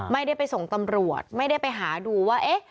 ไม่ได้ไปส่งตำรวจไม่ได้ไปหาดูว่าเอ๊ะ